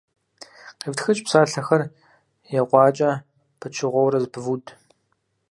КъифтхыкӀ, псалъэхэр екъуакӀэ пычыгъуэурэ зэпывуд.